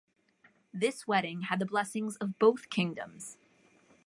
This wedding had the blessings of both Kingdoms.